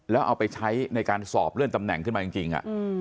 แล้วเอาไปใช้ในการสอบเลื่อนตำแหน่งขึ้นมาจริง